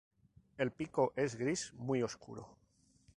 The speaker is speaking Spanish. El pico es gris muy oscuro.